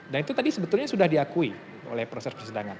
dan itu tadi sebetulnya sudah diakui oleh proses persidangan